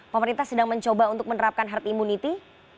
pemerintah sedang mencoba untuk menerapkan herd immunity